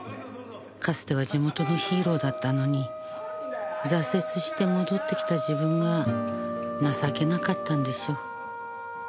かつては地元のヒーローだったのに挫折して戻ってきた自分が情けなかったんでしょう。